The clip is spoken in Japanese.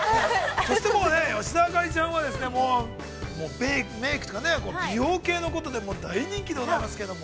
そして、吉田朱里ちゃんはもうメイクとか、美容系のことで、大人気でございますけれども。